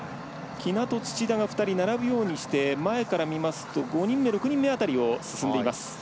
喜納と土田が２人並ぶようにして前から見ますと５人目、６人目ぐらいを進んでいます。